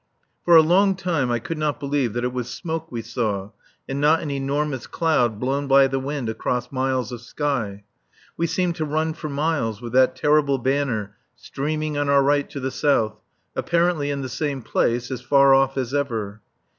For a long time I could not believe that it was smoke we saw and not an enormous cloud blown by the wind across miles of sky. We seemed to run for miles with that terrible banner streaming on our right to the south, apparently in the same place, as far off as ever.